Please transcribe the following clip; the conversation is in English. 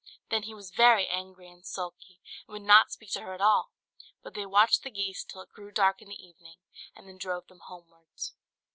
Then he was very angry and sulky, and would not speak to her at all; but they watched the geese until it grew dark in the evening, and then drove them homewards.